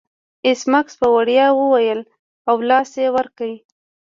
ایس میکس په ویاړ وویل او لاس یې ور کړ